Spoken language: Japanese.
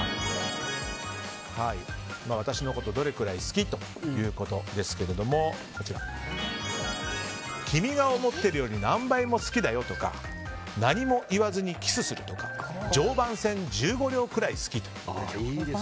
私のことどれくらい好き？ということですが君が思ってるより何倍も好きだよとか何も言わずにキスするとか常磐線１５両くらい好き。